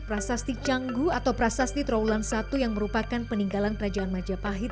prasasti canggu atau prasasti trawulan satu yang merupakan peninggalan kerajaan majapahit